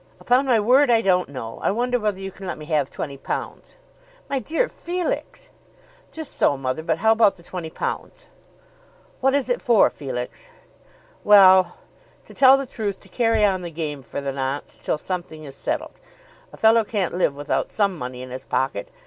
"Upon my word I don't know. I wonder whether you can let me have twenty pounds?" "My dear Felix!" "Just so, mother; but how about the twenty pounds?" [Illustration: "Just so, mother; but how about the twenty pounds?"] "What is it for, Felix?" "Well; to tell the truth, to carry on the game for the nonce till something is settled. A fellow can't live without some money in his pocket.